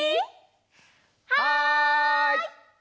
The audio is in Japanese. はい！